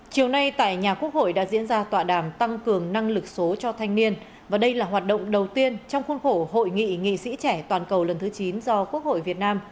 chiều nay tại nhà quốc hội đã diễn ra tọa đàm tăng cường năng lực số cho thanh niên và đây là hoạt động đầu tiên trong khuôn khổ hội nghị nghị sĩ trẻ toàn cầu lần thứ chín do quốc hội việt nam